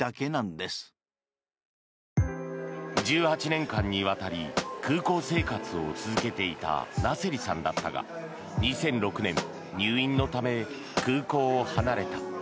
１８年間にわたり空港生活を続けていたナセリさんだったが２００６年入院のため空港を離れた。